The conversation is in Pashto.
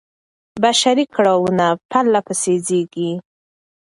بشري کړاوونه پرله پسې زېږي.